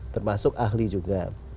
termasuk ahli juga